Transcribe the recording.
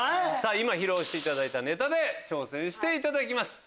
今披露していただいたネタで挑戦していただきます。